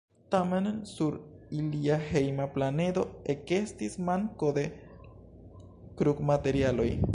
Tamen sur ilia hejma planedo ekestis manko de krudmaterialoj.